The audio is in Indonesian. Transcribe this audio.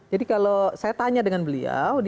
jadi kalau saya tanya dengan beliau